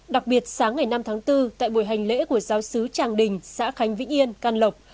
đặc biệt sáng ngày năm tháng bốn tại buổi hành lễ của giáo sứ tràng đình xã khánh vĩnh yên can lộc